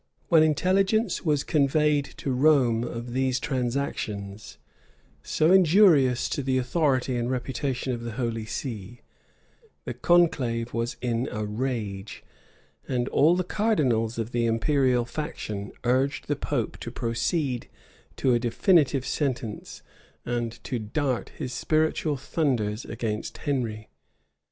When intelligence was conveyed to Rome of these transactions, so injurious to the authority and reputation of the holy see, the conclave was in a rage, and all the cardinals of the imperial faction urged the pope to proceed to a definitive sentence, and to dart his spiritual thunders against Henry.